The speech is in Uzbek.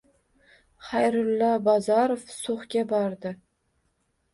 Xayrullo Bozorov So‘xga bordi